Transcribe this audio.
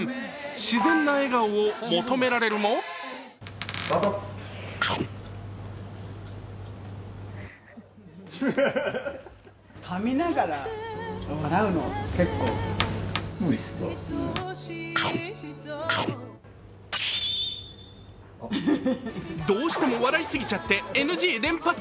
自然な笑顔を求められるもどうしても笑い過ぎちゃってＮＧ連発。